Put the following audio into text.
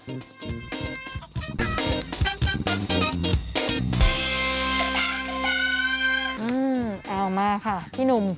เอามาค่ะพี่หนุ่ม